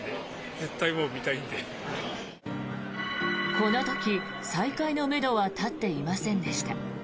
この時、再開のめどは立っていませんでした。